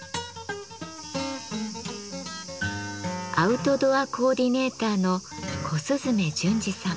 アウトドアコーディネーターの小雀陣二さん。